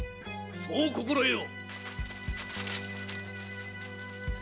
そう心得よ！